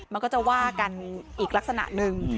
มันก็จะว่ากันอีกลักษณะหนึ่ง